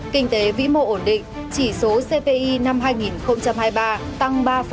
kinh tế vĩ mộ ổn định chỉ số cpi năm hai nghìn hai mươi ba tăng ba hai mươi năm